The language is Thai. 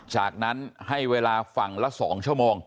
จากนั้นให้เวลาฝั่งละ๒ชั่วโมง